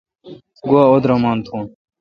گوا اودرمان تھون۔